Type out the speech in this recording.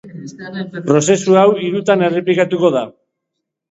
Prozesu hau hirutan errepikatuko da.